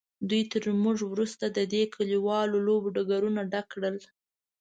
دوی تر موږ وروسته د دې کلیوالو لوبو ډګرونه ډک کړل.